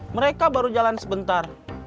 mereka baru jalan sebentar